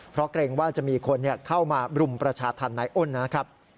เพราะเกรงว่าจะมีคนเข้ามารุมประชาธรรมนายอ้นนะครับ